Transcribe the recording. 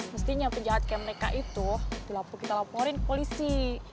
mestinya penjahat kayak mereka itu kita laporin ke polisi